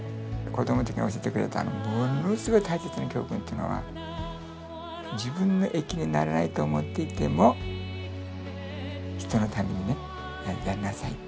子供たちに教えてくれたものすごい大切な教訓というのは自分の益にならないと思っていても人のためにねやりなさい。